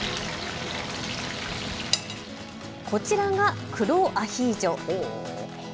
こちらが黒アヒージョ。